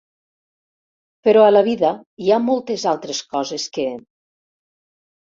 Però a la vida hi ha moltes altres coses que.